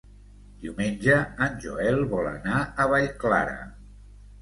Diumenge en Joel vol anar a Vallclara.